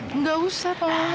eh nggak usah pak mama